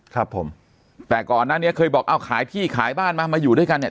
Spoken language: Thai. ครับผมแต่ก่อนนั้นเนี้ยเคยบอกเอาขายที่ขายบ้านมามาอยู่ด้วยกันเนี่ย